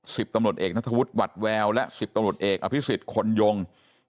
สิบตำรวจเอกนัทธวุฒิหวัดแววและสิบตำรวจเอกอภิษฎคนยง